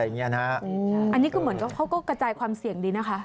อันนี้ก็เหมือนเขาก็กระจายความเสี่ยงดีนะคะ